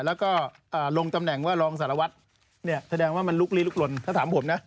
แล้วก็ลงตำแหน่งว่ารองสารวัตรเนี่ยแสดงว่ามันลุกลีลุกลนถ้าถามผมนะ